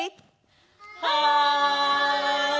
はい！